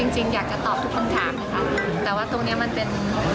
จริงอยากจะตอบทุกคำถามนะคะแต่ว่าตรงนี้มันเป็น